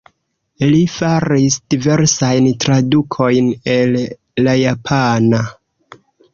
Li faris diversajn tradukojn el la japana.